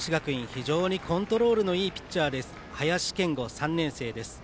非常にコントロールのいいピッチャー林謙吾、３年生です。